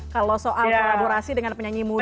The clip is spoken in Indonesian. kalau soal kolaborasi dengan penyanyi muda